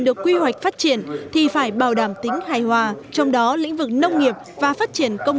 được quy hoạch phát triển thì phải bảo đảm tính hài hòa trong đó lĩnh vực nông nghiệp và phát triển công